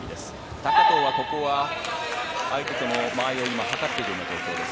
高藤は、ここは相手との間合いをはかっている状況です。